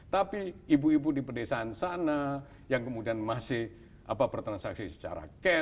tapi ibu ibu di pedesaan sana yang kemudian masih bertransaksi secara cash